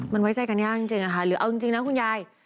มันไว้ใจไกลยังไงนะคะหรือเอาจริงนะคุณยาย